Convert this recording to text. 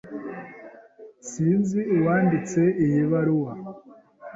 Sinzi uwanditse iyi baruwa.